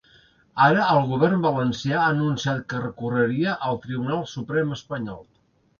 Ara el govern valencià ha anunciat que recorreria al Tribunal Suprem espanyol.